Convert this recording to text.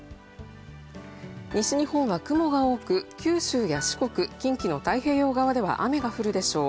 西日本は雲が多く、九州や四国、近畿の太平洋側は雨が降るでしょう。